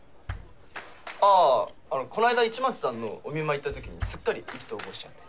あああのこないだ市松さんのお見舞い行ったときにすっかり意気投合しちゃって。